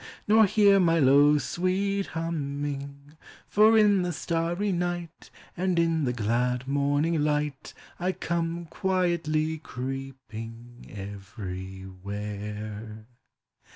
Nor hear mv low sweet humming; 238 POEMS OF NATURE. For in the starry night, And the glad morning light, I come quietly creeping everywhere.